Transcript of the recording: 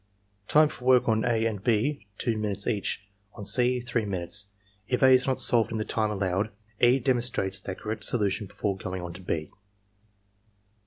Time for work on (a) and (6), two minutes each; on (c), three minvles. If (a) is not solved in the time allowed, E. demon strates that correct solution before going on to (6).